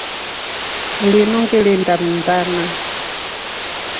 Linu ngilinda Mndana.